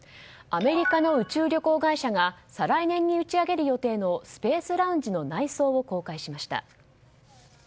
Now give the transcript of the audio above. アメリカの宇宙旅行会社が再来年に打ち上げる予定のスペースラウンジの内装を公開しました。